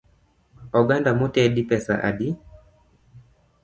Oganda motedi pesa adi?